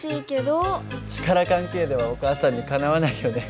力関係ではお母さんにかなわないよね。